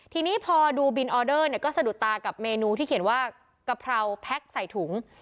ทีนี้พอดูบินออเดอร์เนี่ยก็สะดุดตากับเมนูที่เขียนว่ากะเพราแพ็คใส่ถุง